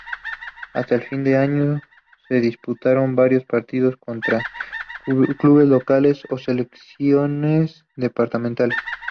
Hasta fin de año, se disputaron varios partidos contra clubes locales o selecciones departamentales.